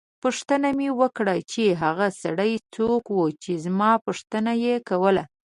پوښتنه مې وکړه چې هغه سړی څوک وو چې زما پوښتنه یې کوله.